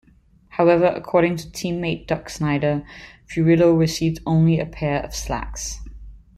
However, according to teammate Duke Snider, Furillo received only a pair of slacks.